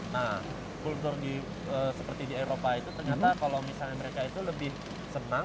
nah kultur seperti di eropa itu ternyata kalau misalnya mereka itu lebih senang